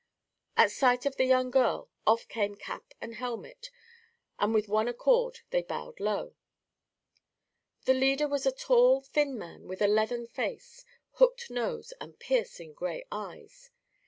At sight of the young girl off came cap and helmet and with one accord they bowed low. The leader was a tall, thin man with a leathern face, hooked nose and piercing gray eyes.